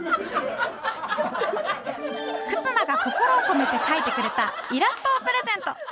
忽那が心を込めて描いてくれたイラストをプレゼント